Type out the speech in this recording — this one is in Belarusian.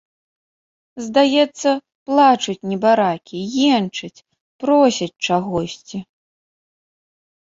Здаецца, плачуць небаракі, енчаць, просяць чагосьці.